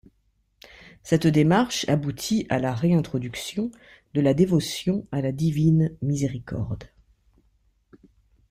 Cette démarche aboutit à la réintroduction de la dévotion à la Divine Miséricorde.